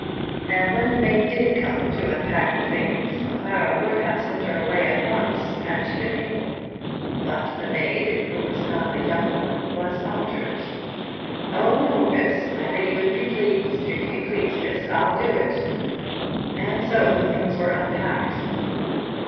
And when the maid did come to unpack the things, Clara would have sent her away at once had she been able. But the maid, who was not a young woman, was obdurate. "Oh no, miss; my lady wouldn't be pleased. If you please, miss, I'll do it." And so the things were unpacked.